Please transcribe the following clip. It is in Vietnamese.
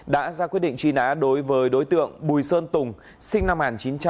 đã ra quyết định truy nã đối với đối tượng bùi sơn tùng sinh năm một nghìn chín trăm tám mươi